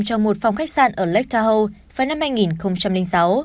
trong một phòng khách sạn ở lake tahoe vào năm hai nghìn sáu